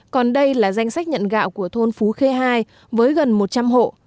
còn đây là danh sách nhận gạo của thôn phú khê hai với gần một trăm linh hộ